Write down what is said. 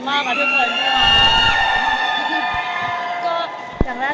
สวัสดีทุกคน